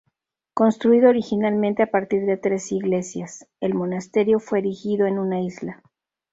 Construido originalmente a partir de tres iglesias, el monasterio fue erigido en una isla.